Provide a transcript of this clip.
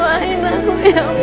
lakukan anak oum